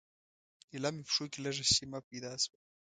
ایله مې پښو کې لږه شیمه پیدا شوه.